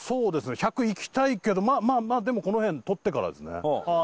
１００いきたいけどまあまあまあでもこの辺とってからですねああ